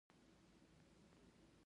د واک غوښتنه هره پخوانۍ خبره بدلوي.